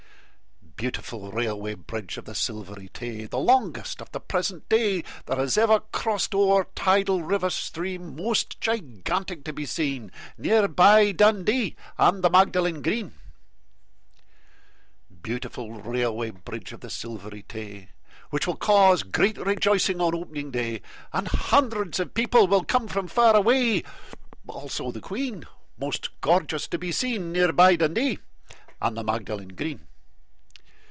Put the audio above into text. Beautiful Railway Bridge of the Silvery Tay! The longest of the present day That has ever crossed o'er a tidal river stream, Most gigantic to be seen, Near by Dundee and the Magdalen Green. Beautiful Railway Bridge of the Silvery Tay ! Which will cause great rejoicing on the opening day And hundreds of people will come from far away, Also the Queen, most gorgeous to be seen, Near by Dundee and the Magdalen Green.